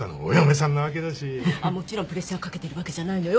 あっもちろんプレッシャーかけてるわけじゃないのよ。